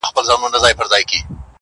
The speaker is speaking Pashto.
چي یو قند د یار د خولې په هار خرڅیږي -